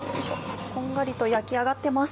こんがりと焼き上がってます。